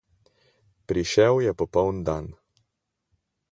Prišel je popoln dan.